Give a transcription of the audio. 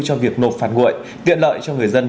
cho việc nộp phạt nguội tiện lợi cho người dân